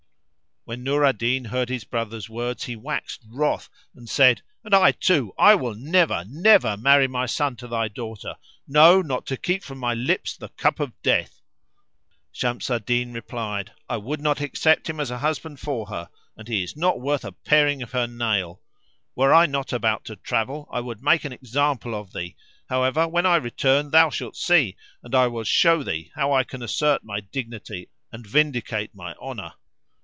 When Nur al Din heard his brother's words he waxed wroth and said, "And I too, I will never, never marry my son to thy daughter; no, not to keep from my lips the cup of death." Shams al Din replied, "I would not accept him as a husband for her, and he is not worth a paring of her nail. Were I not about to travel I would make an example of thee; however when I return thou shalt see, and I will show thee, how I can assert my dignity and vindicate my honour.